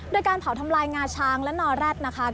โดยการเผาทำลายงาช้างและนอแร็ดนะคะ